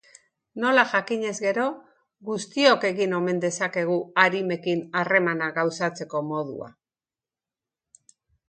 Nola jakinez gero, guztiok egin omen dezakegu modua arimekin harremana gauzatzeko.